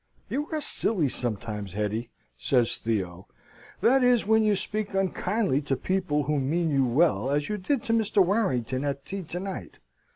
"You are silly sometimes, Hetty," says Theo, "that is when you speak unkindly to people who mean you well, as you did to Mr. Warrington at tea to night.